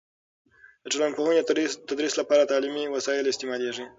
د ټولنپوهنې د تدریس لپاره تعلیمي وسایل استعمالیږي.